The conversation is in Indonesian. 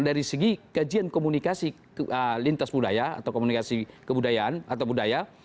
dari segi kajian komunikasi lintas budaya atau komunikasi kebudayaan atau budaya